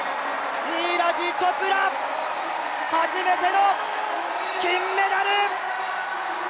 ニーラジ・チョプラ、初めての金メダル！